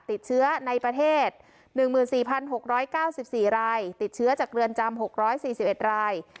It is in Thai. ติดเชื้อในประเทศหนึ่งหมื่นสี่พันหกร้อยเก้าสิบสี่รายติดเชื้อจากเรือนจำหกร้อยสี่สิบเอ็ดราย